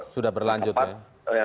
sudah berlanjut ya